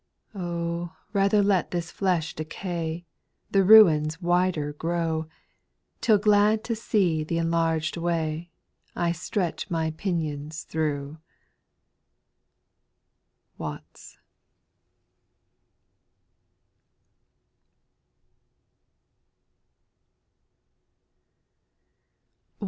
8. Oh 1 rather let this flesh decay, The ruins wider grow. Till glad to see th' enlarged way, I stretch my pinions through. WATTS.